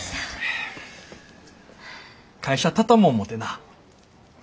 会社畳も思てな。